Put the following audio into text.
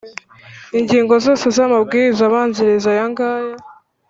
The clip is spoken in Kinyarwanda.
Ingingo zose z amabwiriza abanziriza aya ngaya